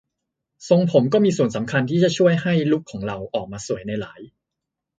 ทรงผมก็มีส่วนสำคัญที่จะช่วยให้ลุคของเราออกมาสวยในหลาย